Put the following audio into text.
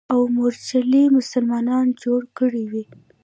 اوه مورچلې مسلمانانو جوړې کړې وې.